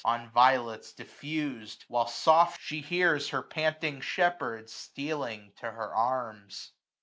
On violets diflfus'd ; while soft she hear* AUTUMN. 141 Her panting shepherd stealing to her arms.